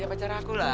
ya pacar aku lah